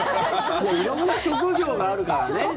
いや、色んな職業があるからね。